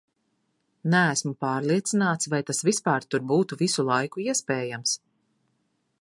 Neesmu pārliecināts, vai tas vispār tur būtu visu laiku iespējams....